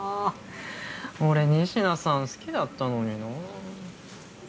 俺仁科さん好きだったのになぁ。